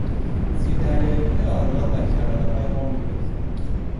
زیردریاییهای آلمان در کرانههای ما میپلکیدند.